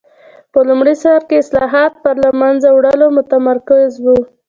په لومړي سر کې اصلاحات پر له منځه وړلو متمرکز و.